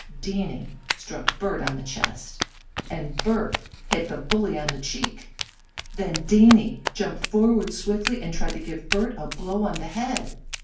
Danny struck Bert on the chest, and Bert hit the bully on the cheek. Then Danny jumped forward swiftly and tried to give Bert a blow on the head.